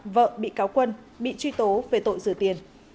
vợ bị cáo quân bị truy tố về tội rửa tiền